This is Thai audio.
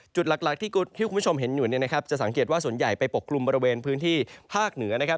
จุดหลักที่คุณผู้ชมเห็นอยู่เนี่ยนะครับจะสังเกตว่าส่วนใหญ่ไปปกกลุ่มบริเวณพื้นที่ภาคเหนือนะครับ